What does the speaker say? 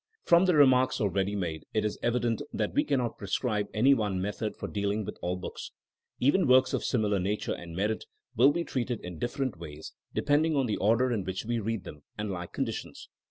From the remarks already made, it is evident that we cannot prescribe any one method for dealing with all books. Even works of similar nature and merit will be treated in different ways, depending on the order in which we read them, and like conditions.